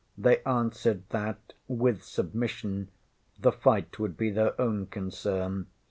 They answered that, with submission, the fight would be their own concern.